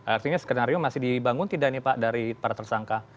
artinya skenario masih dibangun tidak nih pak dari para tersangka